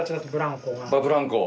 ブランコ。